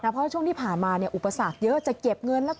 เพราะช่วงที่ผ่านมาเนี้ยอุปสรรคเยอะ